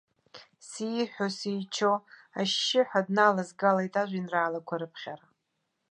Сиҳәо-сичо, ашьшьыҳәа дналазгалеит ажәеинраалақәа рыԥхьара.